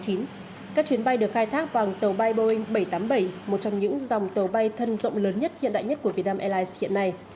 các chuyến bay được khai thác bằng tàu bay boeing bảy trăm tám mươi bảy một trong những dòng tàu bay thân rộng lớn nhất hiện đại nhất của việt nam airlines hiện nay